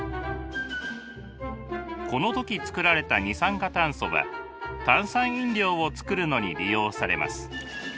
この時作られた二酸化炭素は炭酸飲料を作るのに利用されます。